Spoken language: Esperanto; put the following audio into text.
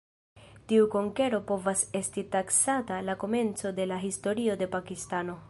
Tiu konkero povas esti taksata la komenco de la historio de Pakistano.